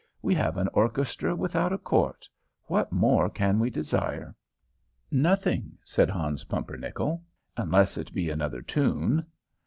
We have an orchestra without a court. What more can we desire?" "Nothing," said Hans Pumpernickel, "unless it be another tune."